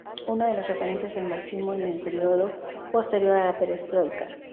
Uno de los referentes del marxismo en el período posterior a la perestroika.